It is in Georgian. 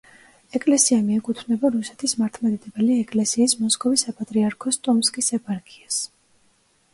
ეკლესია მიეკუთვნება რუსეთის მართლმადიდებელი ეკლესიის მოსკოვის საპატრიარქოს ტომსკის ეპარქიას.